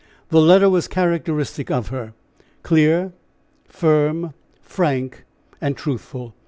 The letter was characteristic of her clear, firm, frank and truthful.